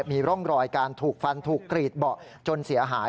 มีร่องรอยการถูกฟันถูกกรีดเบาะจนเสียหาย